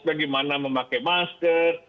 bagaimana memakai masker